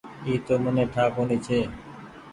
اي تو مني ٺآ ڪونيٚ ڇي ۔